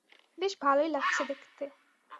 বেশ ভালোই লাগছে দেখতে।